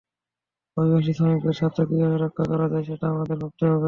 অভিবাসী শ্রমিকদের স্বার্থ কীভাবে রক্ষা করা যায়, সেটা আমাদের ভাবতে হবে।